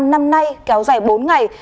năm nay kéo dài bốn ngày